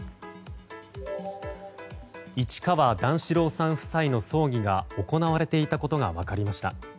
市川段四郎さん夫妻の葬儀が行われていたことが分かりました。